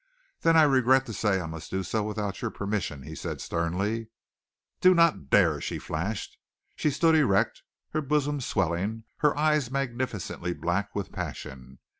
"Then I regret to say I must do so without your permission," he said sternly. "Do not dare!" she flashed. She stood erect, her bosom swelling, her eyes magnificently black with passion.